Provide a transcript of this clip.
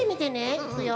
いくよ。